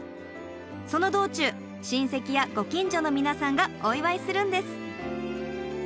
その道中親戚やご近所の皆さんがお祝いするんです。